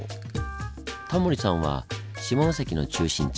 タモリさんは下関の中心地